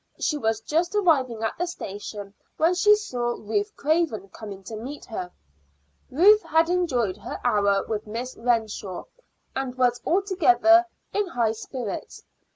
She was just arriving at the station when she saw Ruth Craven coming to meet her. Ruth had enjoyed her hour with Miss Renshaw, and was altogether in high spirits.